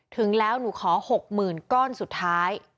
ถึงแล้วหนูขอหกหมื่นก้อนสุดท้าย